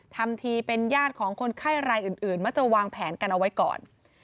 ทำทีเป็นญาติของคนไข้รายอื่นมักจะวางแผนกันเอาไว้ก่อน